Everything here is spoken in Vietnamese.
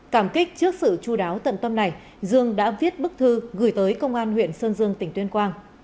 cảm kích trước sự chú đáo tận tâm này dương đã viết bức thư gửi tới công an huyện sơn dương tỉnh tuyên quang